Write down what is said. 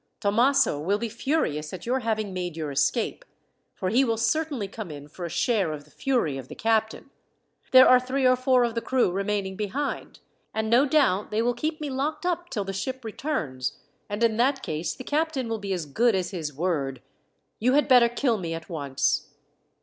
"Thomaso will be furious at your having made your escape, for he will certainly come in for a share of the fury of the captain. There are three or four of the crew remaining behind, and no doubt they will keep me locked up till the ship returns, and in that case the captain will be as good as his word. You had better kill me at once."